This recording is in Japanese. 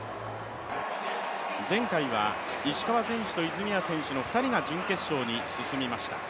前回は石川選手と泉谷選手の２人が準決勝に進みました。